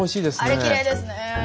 あれきれいですね。